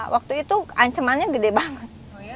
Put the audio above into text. waktu itu ancamannya gede banget